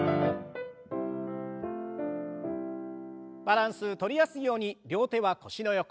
バランスとりやすいように両手は腰の横。